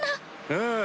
ああ。